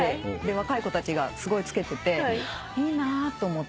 若い子たちがすごい着けてていいなぁと思って。